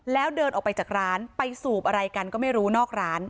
แล้วเดินออกไปจากร้านไปสูบอะไรกันก็ไม่รู้นอกร้าน